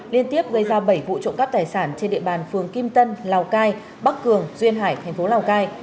liên tiếp gây ra bảy vụ trộm cắp tài sản trên địa bàn phường kim tân lào cai bắc cường duyên hải thành phố lào cai